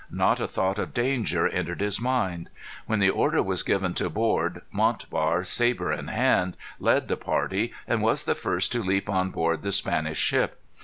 Not a thought of danger entered his mind. When the order was given to board, Montbar, sabre in hand, led the party, and was the first to leap on board the Spanish ship.